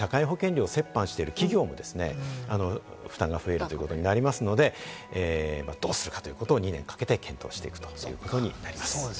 また企業もですね、負担が増えるということになりますので、どうするかということを２年かけて検討していくということになります。